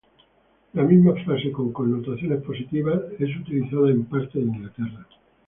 La misma frase con connotaciones positivas es utilizada en parte de Inglaterra.